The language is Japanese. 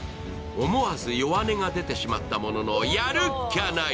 思わず弱音が出てしまったものの、やるっきゃない。